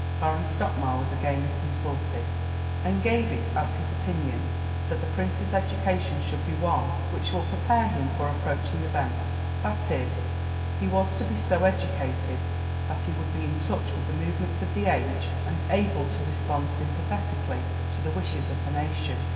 Baron Stockmar was again consulted, and gave it as his opinion that the Prince's education should be one "which will prepare him for approaching events" that is, he was to be so educated that he would be in touch with the movements of the age and able to respond sympathetically to the wishes of the nation.